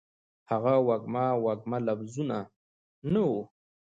هغه وږمه، وږمه لفظونه ، نه وه